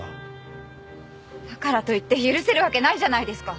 だからといって許せるわけないじゃないですか！